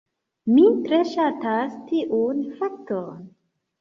Mi tre ŝatas tiun fakton.